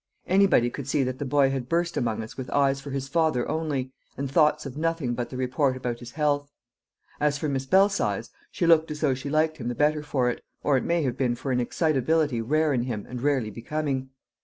Anybody could see that the boy had burst among us with eyes for his father only, and thoughts of nothing but the report about his health; as for Miss Belsize, she looked as though she liked him the better for it, or it may have been for an excitability rare in him and rarely becoming.